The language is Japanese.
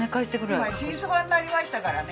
今新そばになりましたからね。